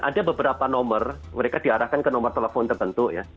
ada beberapa nomor mereka diarahkan ke nomor telepon terbentuk ya